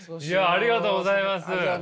ありがとうございます。